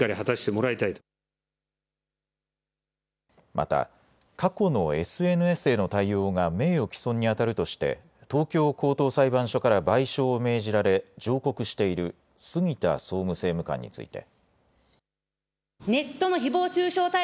また過去のＳＮＳへの対応が名誉毀損にあたるとして東京高等裁判所から賠償を命じられ上告している杉田総務政務官について。